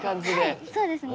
はいそうですね。